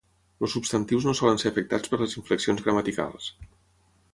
Els substantius no solen ser afectats per les inflexions gramaticals.